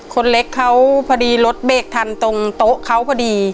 คนเล็กเขาพอดีรถเบรกทันตรงโต๊ะเขาพอดี